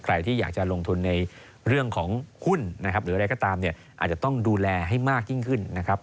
ใครที่อยากจะลงทุนในเรื่องของหุ้นนะครับหรืออะไรก็ตามเนี่ยอาจจะต้องดูแลให้มากยิ่งขึ้นนะครับ